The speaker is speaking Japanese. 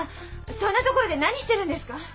そんな所で何してるんですか？